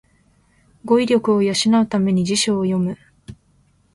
語彙力を養うために辞書を読む